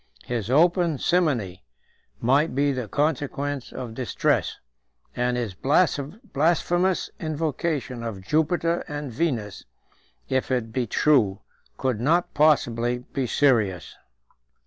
His open simony might be the consequence of distress; and his blasphemous invocation of Jupiter and Venus, if it be true, could not possibly be serious.